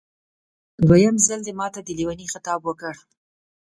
دویم ځل دې ماته د لېوني خطاب وکړ.